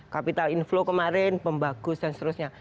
capital inflow kemarin pembagus dan seterusnya